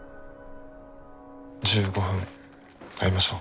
１５分会いましょう。